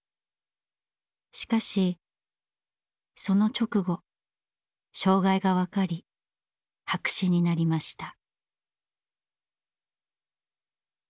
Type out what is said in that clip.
しかしその直後障害が分かり白紙になりました。